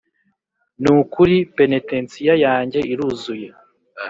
nukuri penetensiya yanjye iruzuye!